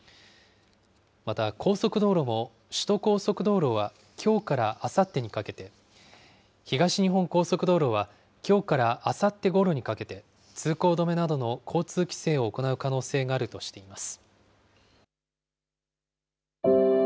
また、高速道路も、首都高速道路はきょうからあさってにかけて、東日本高速道路はきょうからあさってごろにかけて、通行止めなどの交通規制を行う可能性があるとしています。